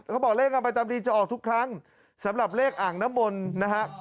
เขาบอกเลขกันประจำดีจะออกทุกครั้งสำหรับเลขอ่างน้ำมนต์นะฮะ